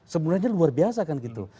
sebenarnya luar biasa kan gitu